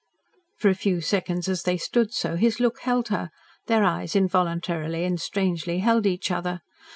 For a few seconds, as they stood so, his look held her their eyes involuntarily and strangely held each other.